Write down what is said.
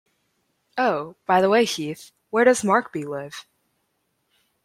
Oh, by the way, Heath, where does Markby live?